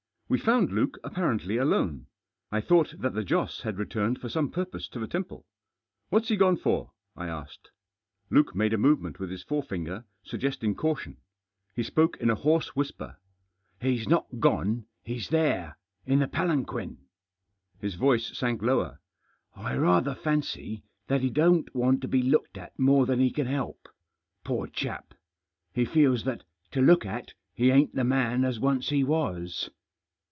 We found Luke apparently alone. I thought that the Joss had returned for some purpose to the temple. " What's he gone for ?" I asked. Luke made a movement with his forefinger, sug gesting caution. He spoke in a hoarse whisper. " He's not gone ; he's there — in the palanquin." His voice sank lower. " I rather fancy that he don't want to be looked at more than he can help. Poor chap ! he feels that, to look at, he ain't the man as once he was."